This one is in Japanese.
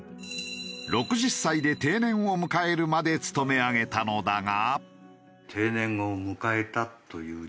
６０歳で定年を迎えるまで勤め上げたのだが。